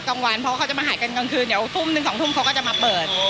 กลางวันเพราะเขาจะมาหากันกลางคืนเดี๋ยวทุ่มหนึ่งสองทุ่มเขาก็จะมาเปิด